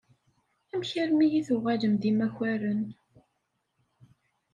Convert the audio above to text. Amek armi i tuɣalem d imakaren?